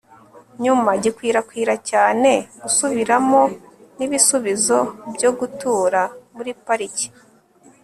nyuma, gikwirakwira cyane, gusubiramo, ni ibisubizo byo gutura muri parike